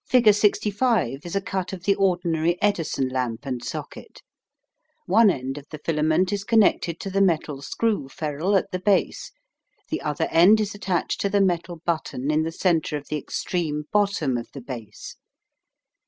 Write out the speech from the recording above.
Fig. 65 is a cut of the ordinary Edison lamp and socket. One end of the filament is connected to the metal screw ferule at the base. The other end is attached to the metal button in the centre of the extreme bottom of the base.